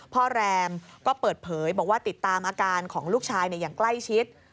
แรมก็เปิดเผยบอกว่าติดตามอาการของลูกชายอย่างใกล้ชิด